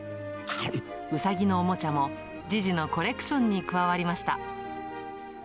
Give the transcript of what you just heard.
うさぎのおもちゃも、ジジのコレクションに加わりました。